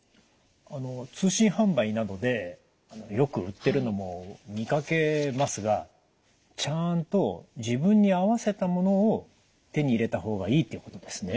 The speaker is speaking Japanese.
あの通信販売などでよく売ってるのも見かけますがちゃんと自分に合わせたものを手に入れた方がいいっていうことですね。